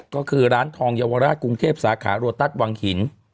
ก็คือร้านทองเยาวราชกรุงเทพสาขาโรตัสวังหิน